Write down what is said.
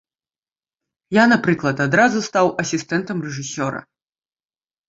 Я, напрыклад, адразу стаў асістэнтам рэжысёра.